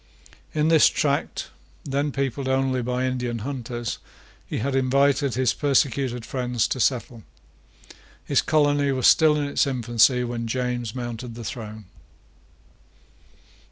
In this tract, then peopled only by Indian hunters, he had invited his persecuted friends to settle. His colony was still in its infancy when James mounted the throne.